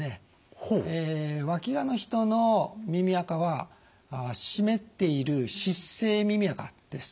わきがの人の耳あかは湿っている湿性耳あかです。